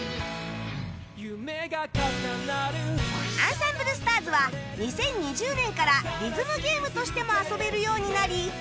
『あんさんぶるスターズ！！』は２０２０年からリズムゲームとしても遊べるようになり